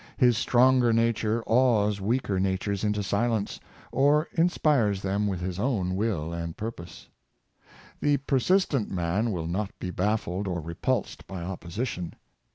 His stronger nature awes weaker natures into silence, or inspires them with his own will and purpose. The persistent man will not be baffled or repulsed by opposition.